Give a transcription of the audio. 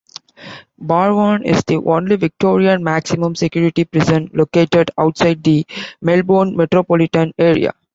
Barwon is the only Victorian maximum security prison located outside the Melbourne metropolitan area.